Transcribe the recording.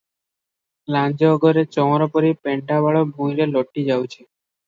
ଲାଞ୍ଜ ଅଗରେ ଚଅଁରପରି ପେଣ୍ତା ବାଳ ଭୁଇଁରେ ଲୋଟିଯାଉଛି ।